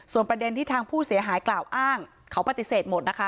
ประเด็นที่ทางผู้เสียหายกล่าวอ้างเขาปฏิเสธหมดนะคะ